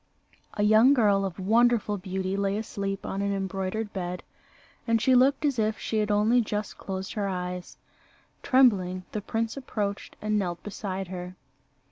A young girl of wonderful beauty lay asleep on an embroidered bed, and she looked as if she had only just closed her eyes. Trembling, the prince approached and knelt beside her.